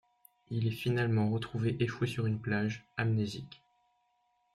Il est finalement retrouvé échoué sur une plage, amnésique.